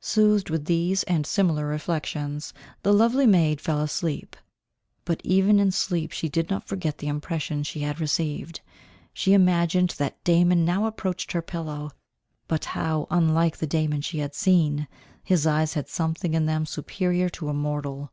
Soothed with these and similar reflections, the lovely maid fell asleep. But even in sleep she did not forget the impressions she had received. She imagined that Damon now approached her pillow. But how unlike the Damon she had seen! His eyes had something in them superior to a mortal.